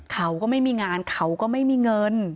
เขาก็ไม่มีงานเขาก็ไม่มีเงิน